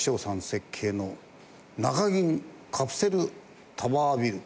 設計の中銀カプセルタワービル。